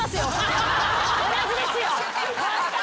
同じですよ。